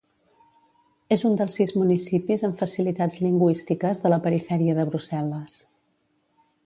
És un dels sis municipis amb facilitats lingüístiques de la perifèria de Brussel·les.